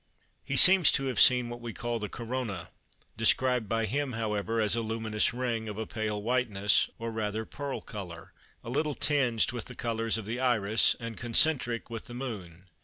He seems to have seen what we call the Corona, described by him however as a "luminous ring," "of a pale whiteness, or rather pearl colour, a little tinged with the colours of the Iris, and concentric with the Moon."